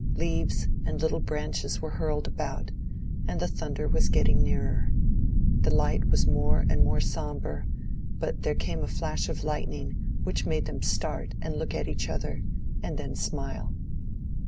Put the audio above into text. Leaves and little branches were hurled about, and the thunder was getting nearer. The light was more and more sombre, but there came a flash of lightning which made them start and look at each other, and then smile.